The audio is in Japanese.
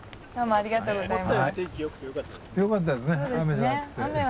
ありがとうございます。